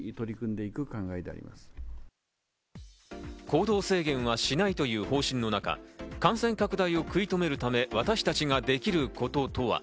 行動制限はしないという方針の中、感染拡大を食い止めるため私たちができることとは？